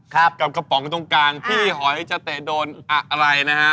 กับกระป๋องตรงกลางพี่หอยจะเตะโดนอะไรนะฮะ